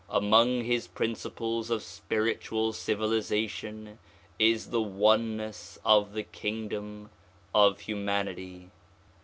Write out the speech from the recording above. Among his principles of spiritual civilization is the oneness of the kingdom of humanity.